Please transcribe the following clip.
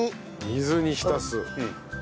水に浸す。